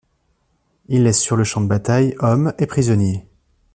Ils laissent sur le champ de bataille hommes et prisonniers.